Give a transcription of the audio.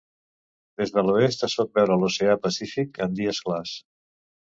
Des de l'oest, es pot veure l'oceà Pacífic en dies clars.